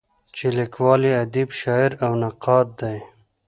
چې لیکوال یې ادیب، شاعر او نقاد دی.